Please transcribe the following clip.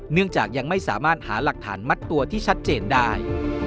เนื่องจากยังไม่สามารถหาหลักฐานมัดตัวที่ชัดเจนได้